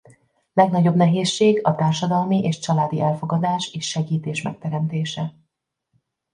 Legnagyobb nehézség a társadalmi és családi elfogadás és segítés megteremtése.